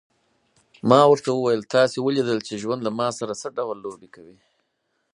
ما ورته وویل: تاسي ولیدل چې ژوند له ما سره څه ډول لوبې کوي.